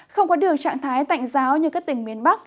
không có được trạng thái tạnh giáo như các tỉnh miền bắc